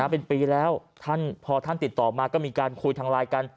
เป็นปีแล้วพอท่านติดต่อมาก็มีการคุยทางไลน์กัน